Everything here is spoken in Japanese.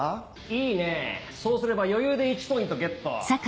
いいねそうすれば余裕で１ポイントゲット。